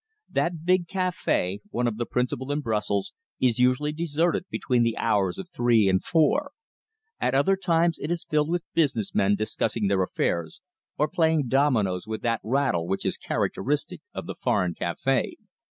That big café, one of the principal in Brussels, is usually deserted between the hours of three and four. At other times it is filled with business men discussing their affairs, or playing dominoes with that rattle which is characteristic of the foreign café.